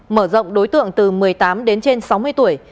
mở rộng đối tượng từ một mươi tám đến trên sáu mươi tuổi